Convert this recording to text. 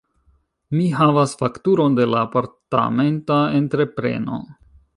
Mi havas fakturon de la apartamenta entrepreno.